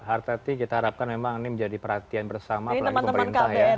harta hati kita harapkan memang ini menjadi perhatian bersama pelanggan pemerintah ya